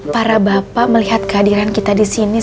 para bapak melihat kehadiran kita di sini